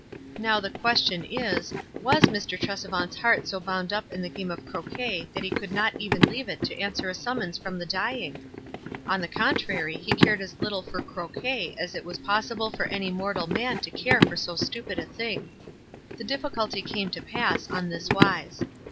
Now, the question is, was Mr. Trescvant's heart so bound up in the game of croquet that be could not even leave it to answer a summons from tho dying? On the contrary he cared as little for croquet as it was possible for any mor tal man to care for so stupid a thing. The difficulty came to pass, on this wise.